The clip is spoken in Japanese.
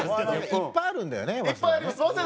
いっぱいあるんだよね早稲田ね。